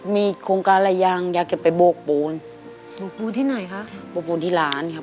มีโครงการอะไรยังอยากจะไปโบกปูนโบกปูนที่ไหนคะโบกปูนที่ร้านครับ